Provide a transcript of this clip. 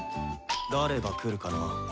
誰がくるかな。